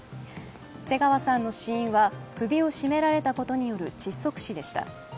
瀬川さんの死因は首を絞められたことによる窒息死でした。